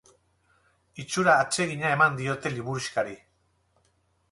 Itxura atsegina eman diote liburuxkari.